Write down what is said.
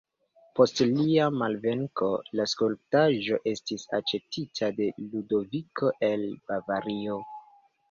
Post lia malvenko, la skulptaĵo estis aĉetita de Ludoviko el Bavario.